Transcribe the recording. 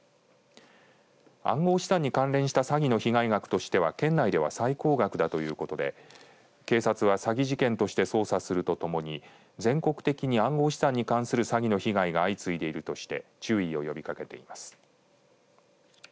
暗号資産に関連した詐欺の被害額としては県内では最高額だということで警察は詐欺事件として捜査するとともに全国的に暗号資産に関する詐欺の被害が相次いでいるとして注意を呼びかけています。